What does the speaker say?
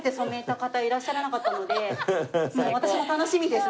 私も楽しみです